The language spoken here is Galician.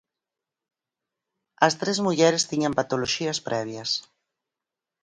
As tres mulleres tiñan patoloxías previas.